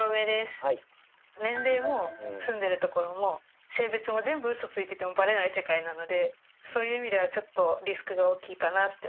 年れいも住んでる所もせいべつも全部うそついててもバレない世界なのでそういう意味ではちょっとリスクが大きいかなって。